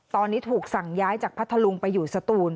ตอนนี้ถูกสั่งย้ายจากพัทธลุงไปอยู่สตูน